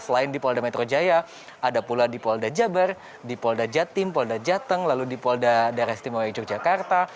selain di polda metro jaya ada pula di polda jabar di polda jatim polda jateng lalu di polda daerah istimewa yogyakarta